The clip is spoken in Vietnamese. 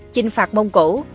chinh phạt mông cổ